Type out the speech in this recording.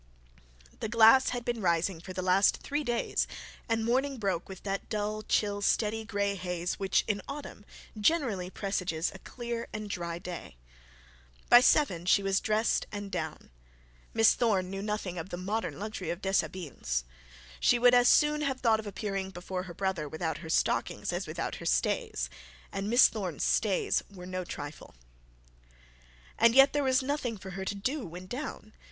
The glass had been rising for the last three days, and the morning broke with that dull chill steady grey haze which in autumn generally presages a clear and dry day. By seven she was dressed and down. Miss Thorne knew nothing of the modern luxury of deshabilles. She would as soon have thought of appearing before her brother without her stockings as without her stays; and Miss Thorne's stays were no trifle. And yet there was nothing for her to do when down.